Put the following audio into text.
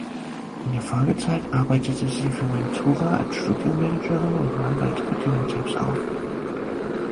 In der Folgezeit arbeitete sie für Ventura als Studio-Managerin und nahm weitere Demo-Tapes auf.